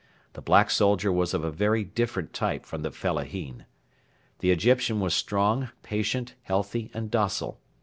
The black soldier was of a very different type from the fellahin. The Egyptian was strong, patient, healthy, and docile.